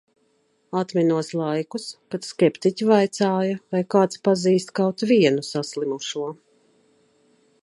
Atminos laikus, kad skeptiķi vaicāja, vai kāds pazīst kaut vienu saslimušo.